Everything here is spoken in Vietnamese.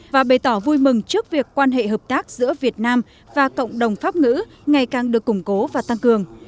và bày tỏ vui mừng trước việc quan hệ hợp tác giữa việt nam và cộng đồng pháp ngữ ngày càng được củng cố và tăng cường